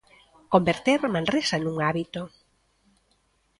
Converter Manresa nun hábito.